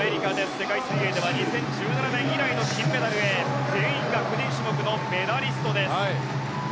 世界水泳では２０１７年以来の金メダルへ全員が個人種目のメダリストです。